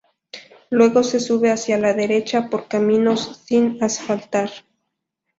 Luego se sube hacia la derecha, por caminos sin asfaltar.